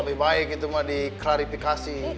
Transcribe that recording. lebih baik itu mau diklarifikasi